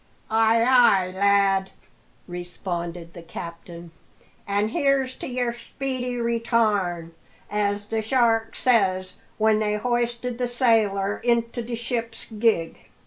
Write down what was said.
"Ay, ay, lad!" responded the captain; "an' here's to your speedy retarn, as the shark says when they hoisted the sailor into the ship's gig."